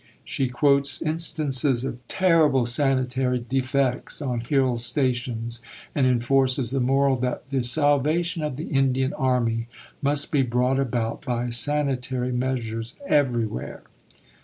She quotes instances of terrible sanitary defects on hill stations, and enforces the moral that "the salvation of the Indian army must be brought about by sanitary measures everywhere."